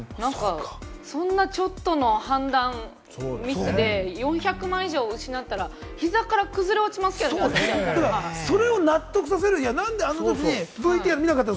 そんなちょっとの判断ミスで、４００万以上失ったら、膝から崩それを納得させるには、なんであの時にＶＴＲ見なかったの？